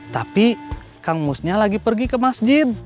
tapi kang musnya lagi pergi ke masjid